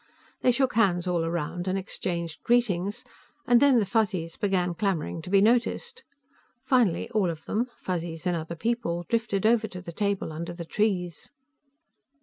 They shook hands all around and exchanged greetings, and then the Fuzzies began clamoring to be noticed. Finally all of them, Fuzzies and other people, drifted over to the table under the trees.